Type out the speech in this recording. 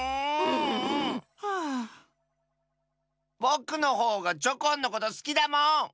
ぼくのほうがチョコンのことすきだもん！